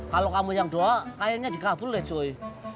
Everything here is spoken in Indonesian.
kalau kamu yang doain kayaknya dikabul deh cuy